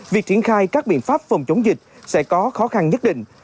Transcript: việc triển khai các biện pháp phòng chống dịch sẽ có khó khăn nhất định